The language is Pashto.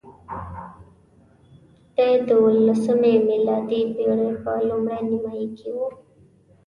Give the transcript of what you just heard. دی د اوولسمې میلادي پېړۍ په لومړۍ نیمایي کې وو.